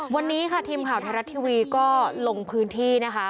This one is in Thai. วันนี้ค่ะทีมข่าวไทยรัฐทีวีก็ลงพื้นที่นะคะ